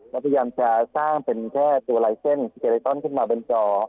แล้วพยายามจะสร้างเป็นแค่ตัวลายเส้นเจเลตอนขึ้นมาบนจอ